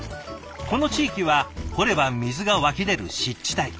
この地域は掘れば水が湧き出る湿地帯。